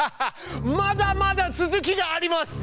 まだまだ続きがあります。